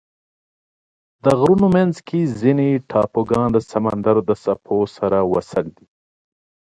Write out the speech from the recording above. د غرونو منځ کې ځینې ټاپوګان د سمندر د څپو سره وصل دي.